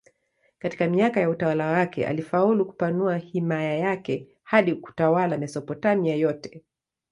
Katika miaka ya utawala wake alifaulu kupanua himaya yake hadi kutawala Mesopotamia yote.